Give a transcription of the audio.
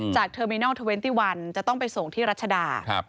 จากเทอร์มินัล๒๑จะต้องไปส่งที่รัชดา